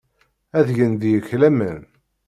Ad gen deg-k laman.